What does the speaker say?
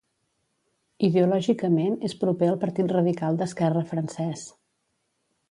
Ideològicament és proper al Partit Radical d'Esquerra francès.